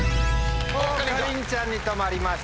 かりんちゃんに止まりました。